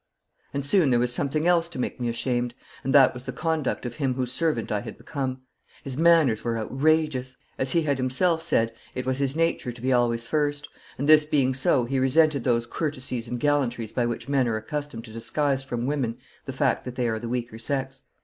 And soon there was something else to make me ashamed, and that was the conduct of him whose servant I had become. His manners were outrageous. As he had himself said, it was his nature to be always first, and this being so he resented those courtesies and gallantries by which men are accustomed to disguise from women the fact that they are the weaker sex.